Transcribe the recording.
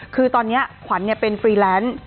คือตอนนี้ขวัญเป็นฟรีแลนซ์